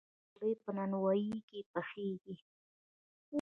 نن ډوډۍ په نانواییو کې پخیږي.